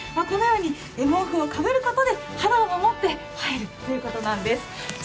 毛布をかぶることで肌を守って入るということなんです。